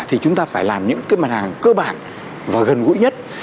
thì chúng ta phải làm những cái mặt hàng cơ bản và gần gũi nhất